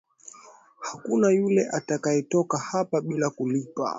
Hakuna yule atakayetoka hapa bila kulipa.